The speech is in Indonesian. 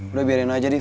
udah biarin aja div